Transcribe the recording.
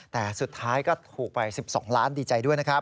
แต่สุดท้ายก็ถูกไป๑๒ล้านดีใจด้วยนะครับ